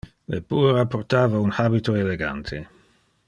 Le puera portava un habito elegante.